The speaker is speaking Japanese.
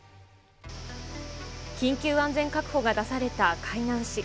緊急安全確保が出された海南市。